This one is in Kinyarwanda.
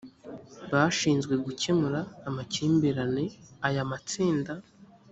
bashinzwe gukemura amakimbirane aya matsinda